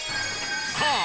さあ